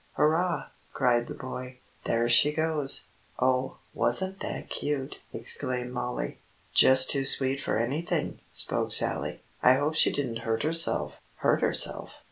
"Hurrah!" cried the boy. "There she goes!" "Oh, wasn't that cute!" exclaimed Mollie. "Just too sweet for anything," spoke Sallie. "I hope she didn't hurt herself!" "Hurt herself?